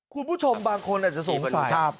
คุณผู้ชมบางคนอาจจะสงสัย